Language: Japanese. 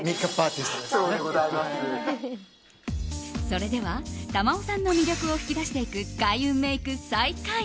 それでは珠緒さんの魅力を引き出していく開運メイク再開。